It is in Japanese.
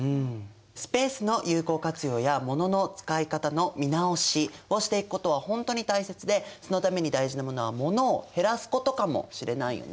スペースの有効活用や物の使い方の見直しをしていくことは本当に大切でそのために大事なものは物を減らすことかもしれないよね。